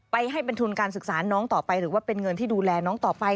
ให้เป็นทุนการศึกษาน้องต่อไปหรือว่าเป็นเงินที่ดูแลน้องต่อไป